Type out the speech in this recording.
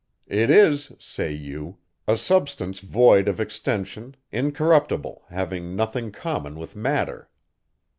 "It is," say you, "a substance void of extension, incorruptible, having nothing common with matter."